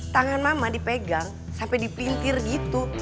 tangan mama dipegang sampai dipintir gitu